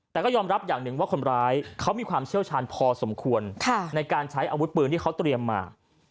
แต่ก็ยอมรับอย่างหนึ่งว่าคนร้ายเขามีความเชี่ยวชาญพอสมควรในการใช้อาวุธปืนที่เขาเตรียมมา